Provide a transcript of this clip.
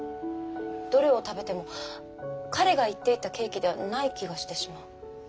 どれを食べても彼が言っていたケーキではない気がしてしまう。